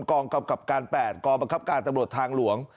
กองกำกับการ๘กองบังคับการตำรวจทางหลวง